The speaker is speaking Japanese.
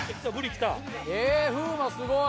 えぇ風磨すごい。